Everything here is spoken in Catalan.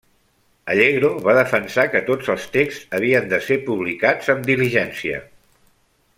Allegro va defensar que tots els texts havien de ser publicats amb diligència.